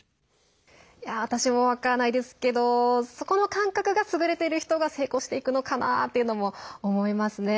私も分からないですけどそこの感覚が優れている人が成功するのかなとも思いますね。